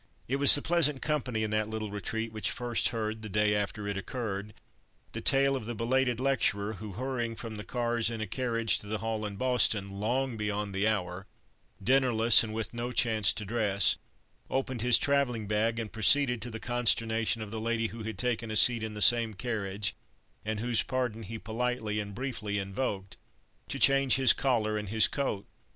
It was the pleasant company in that little retreat which first heard, the day after it occurred, the tale of the belated lecturer who, hurrying from the cars in a carriage to the hall in Boston, long beyond the hour, dinnerless, and with no chance to dress, opened his travelling bag, and proceeded, to the consternation of the lady who had taken a seat in the same carriage, and whose pardon he politely and briefly invoked, to change his collar and his coat.